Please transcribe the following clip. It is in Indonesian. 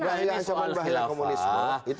jadi ini soal khilafah